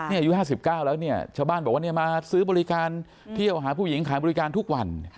อายุ๕๙แล้วเนี่ยชาวบ้านบอกว่ามาซื้อบริการเที่ยวหาผู้หญิงขายบริการทุกวัน